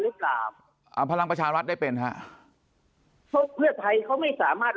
หรือเปล่าอ่าพลังประชารัฐได้เป็นฮะเพราะเพื่อไทยเขาไม่สามารถ